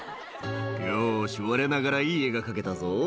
「よしわれながらいい絵が描けたぞ」